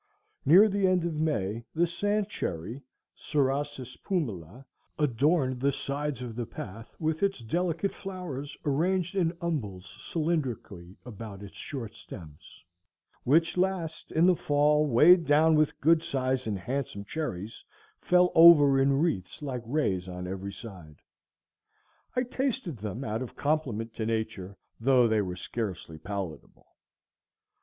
Near the end of May, the sand cherry (Cerasus pumila,) adorned the sides of the path with its delicate flowers arranged in umbels cylindrically about its short stems, which last, in the fall, weighed down with good sized and handsome cherries, fell over in wreaths like rays on every side. I tasted them out of compliment to Nature, though they were scarcely palatable.